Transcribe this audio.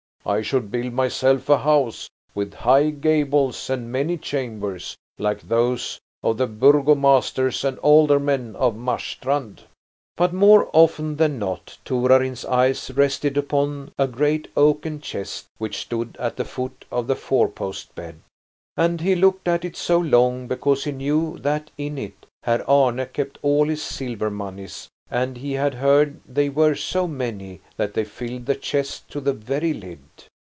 I should build myself a house with high gables and many chambers, like those of the burgomasters and aldermen of Marstrand." But more often than not Torarin's eyes rested upon a great oaken chest which stood at the foot of the four post bed. And he looked at it so long because he knew that in it Herr Arne kept all his silver moneys, and he had heard they were so many that they filled the chest to the very lid.